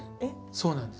そうなんです。